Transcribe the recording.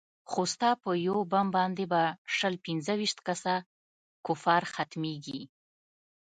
خو ستا په يو بم باندې به شل پينځه ويشت کسه کفار ختميګي.